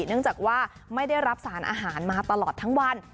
เนื่องจากว่าไม่ได้รับสารอาหารมาตลอดทั้งวัน